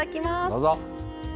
どうぞ！